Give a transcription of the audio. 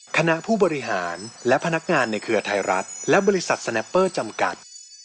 คณะผู้บริหารและพนักงานในเครือไทยรัฐและบริษัทสแนปเปอร์จำกัด